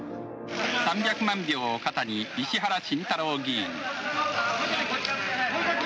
３００万票を肩に石原慎太郎議員。